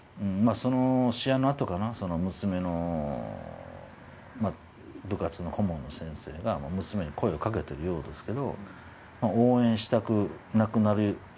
その試合のあとかな、娘の部活の顧問の先生が娘に声をかけているようですけど。